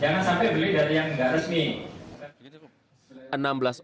jangan sampai beli dari yang nggak resmi